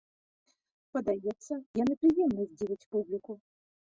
Падаецца, яны прыемна здзівяць публіку!